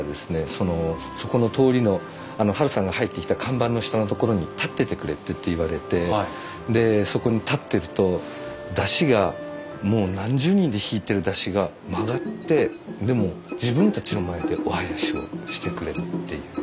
そのそこの通りのハルさんが入ってきた看板の下の所に立っててくれって言われてでそこに立ってると山車がもう何十人で引いてる山車が曲がってでもう自分たちの前でお囃子をしてくれたっていう。